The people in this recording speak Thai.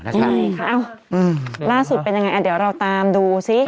อ้าวล่าสุดเป็นอย่างไรเดี๋ยวเราตามดูสิ